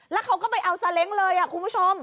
แล้วเขาก็ไปเอาซาเล้งเลยคุณผู้ชม